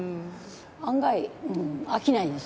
案外飽きないです。